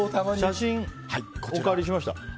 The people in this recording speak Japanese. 写真をお借りしました。